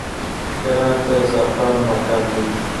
هرات د زعفرانو مرکز دی